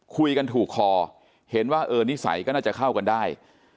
คุยกันถูกคอเห็นว่าเออนิสัยก็น่าจะเข้ากันได้